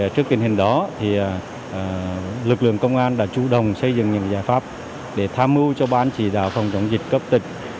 trước tình hình đó lực lượng công an đã chủ động xây dựng những giải pháp để tham mưu cho ban chỉ đạo phòng chống dịch cấp tỉnh